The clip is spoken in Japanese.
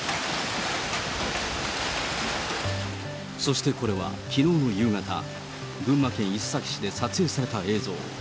そしてこれは、きのうの夕方、群馬県伊勢崎市で撮影された映像。